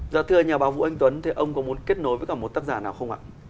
dạ thưa nhà báo vũ anh tuấn thì ông có muốn kết nối với cả một tác giả nào không ạ